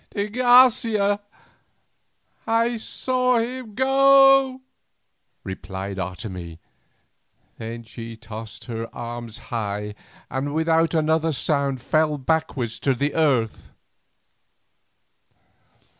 "De Garcia! I saw him go," replied Otomie; then she tossed her arms high, and without another sound fell backwards to the earth.